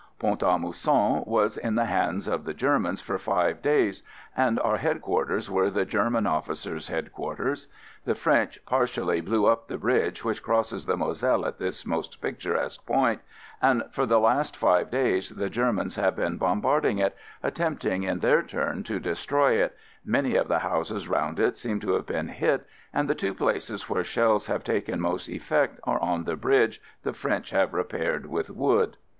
Pont a Mousson was in the hands of 6 AMERICAN AMBULANCE the Germans for five days and our Head quarters were the German Officers' Head quarters. The French partially blew up the bridge which crosses the Moselle at this most picturesque point, and for the last five days the Germans have been bombarding it, attempting in their turn to destroy it; many of the houses round it seem to have been hit, and the two places where shells have taken most effect are on the bridge the French have repaired with wood.